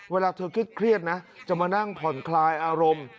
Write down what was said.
เวลาเธอเครียดนะจะมานั่งผ่อนคลายอารมณ์